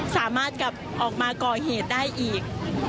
สามารถกลับออกมาก่อเหตุได้อีก